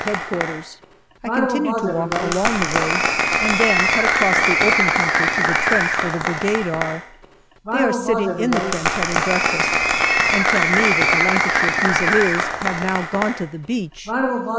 Q. I continue to walk along the road, and then cut across the open country to the trench where the Brigade are. They are sitting in the trench having breakfast, and tell me that the Lancashire Fusiliers have now gone to the beach.